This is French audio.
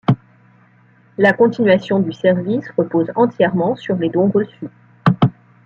La continuation du service repose entièrement sur les dons reçus.